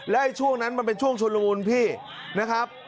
และช่วงนั้นมันเป็นช่วงชนละมุนพี่นะครับ